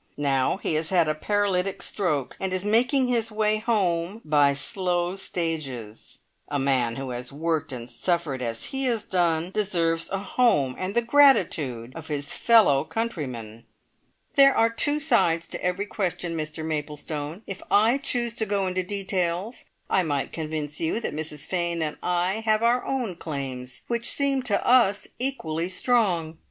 Now he has had a paralytic stroke, and is making his way home by slow stages. A man who has worked and suffered as he has done deserves a home, and the gratitude of his fellow countrymen." "There are two sides to every question, Mr Maplestone. If I chose to go into details, I might convince you that Mrs Fane and I have our own claims, which seem to us equally strong."